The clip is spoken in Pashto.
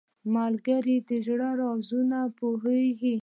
ملګری د زړه رازونه پوهیږي